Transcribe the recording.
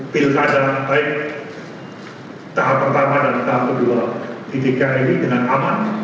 pilkada baik tahap pertama dan tahap kedua di dki ini dengan aman